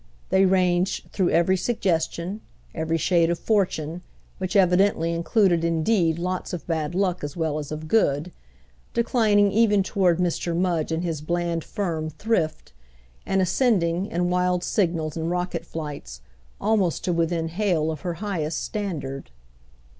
They ranged through every suggestion, every shade of fortune, which evidently included indeed lots of bad luck as well as of good, declining even toward Mr. Mudge and his bland firm thrift, and ascending, in wild signals and rocket flights, almost to within hail of her highest standard.